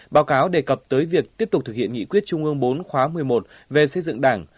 báo cáo đề cập tới việc tiếp tục thực hiện nghị quyết trung ương bốn khóa một mươi một về xây dựng đảng